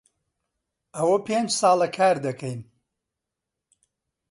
ئەوە پێنج ساڵە کار دەکەین.